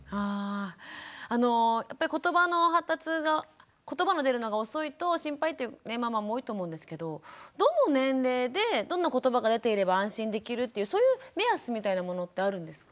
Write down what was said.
やっぱりことばの発達がことばの出るのが遅いと心配というねママも多いと思うんですけどどの年齢でどんなことばが出ていれば安心できるっていうそういう目安みたいなものってあるんですか？